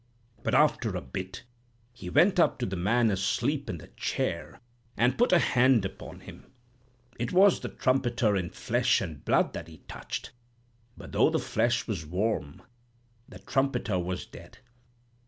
But after a bit, he went up to the man asleep in the chair and put a hand upon him. It was the trumpeter in flesh and blood that he touched; but though the flesh was warm, the trumpeter was dead.